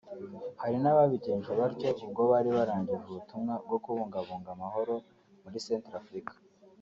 Hari n’abandi babigenje batyo ubwo bari barangije ubutumwa bwo kubungabunga amahoro muri Centrafrique